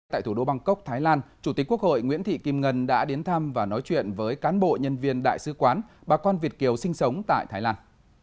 tại thủ đô bangkok thái lan chủ tịch quốc hội nguyễn thị kim ngân đã đến thăm và nói chuyện với cán bộ nhân viên đại sứ quán bà con việt kiều sinh sống tại thái lan